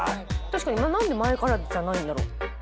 確かに何で前からじゃないんだろ。